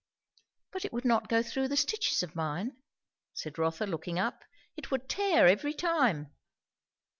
"But it would not go through the stitches of mine," said Rotha looking up. "It would tear every time."